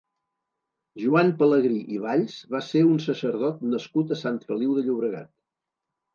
Joan Pelegrí i Valls va ser un sacerdot nascut a Sant Feliu de Llobregat.